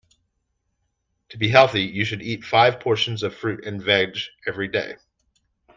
To be healthy you should eat five portions of fruit and veg every day